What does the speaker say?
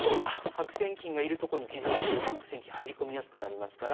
白癬菌がいる所に傷をつけると白癬菌入り込みやすくなりますから。